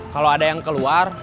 kalau ada yang keluar